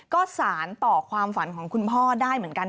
ก็สารต่อความฝันของคุณพ่อได้เหมือนกัน